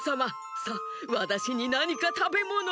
さあわたしになにかたべものを！